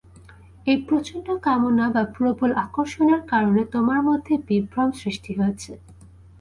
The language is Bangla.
এই প্রচও কামনা বা প্রবল আকর্ষণের কারণে তোমার মধ্যে বিভ্রম সৃষ্টি হয়েছে।